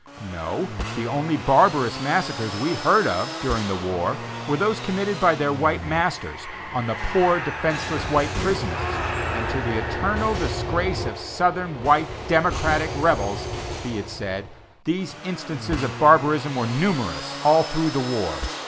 No, the only barbarous massacres we heard of, during the war, were those committed by their white masters on their poor, defenceless white prisoners, and to the eternal disgrace of southern white "democratic" rebels, be it said, these instances of barbarism were numerous all through the war.